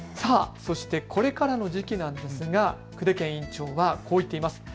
これからの時期なんですが久手堅院長はこう言っています。